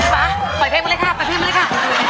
ป๊าปล่อยเพลงมาเลยค่ะปล่อยเพลงมาเลยค่ะ